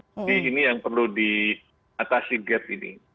jadi ini yang perlu diatasi gap ini